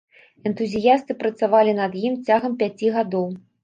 Энтузіясты працавалі над ім цягам пяці гадоў.